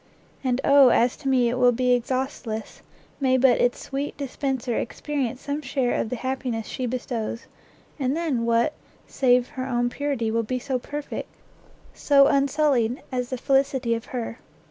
And oh as to me it will be exhaustless, may but its sweet dispenser experience some share of the happiness she bestows, and then what, save her own purity, will be so perfect, so unsullied, as the felicity of her!